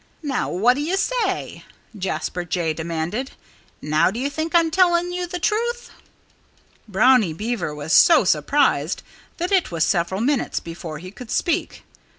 Now what do you say?" Jasper Jay demanded. "Now do you think I'm telling you the truth?" Brownie Beaver was so surprised that it was several minutes before he could speak.